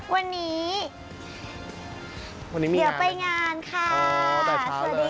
วันนี้เดี๋ยวไปงานค่ะสวัสดีค่ะ